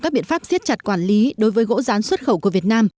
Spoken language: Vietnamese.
các biện pháp siết chặt quản lý đối với gỗ rán xuất khẩu của việt nam